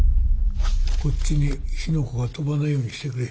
こっちに火の粉が飛ばないようにしてくれ。